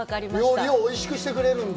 料理をおいしくしてくれるんだ。